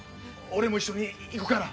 俺も一緒に行くから！